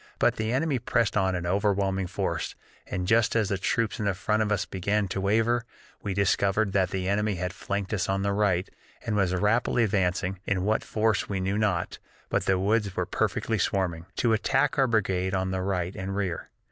But the enemy pressed on in overwhelming force, and just as the troops in front of us began to waver, we discovered that the enemy had flanked us on the right and was rapidly advancing (in what force we knew not, but the woods were perfectly swarming), to attack our brigade on the right and rear.